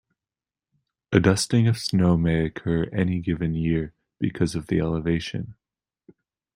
A dusting of snow may occur any given year because of the elevation.